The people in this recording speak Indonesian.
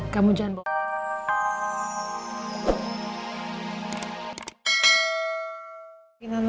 kamu jangan bo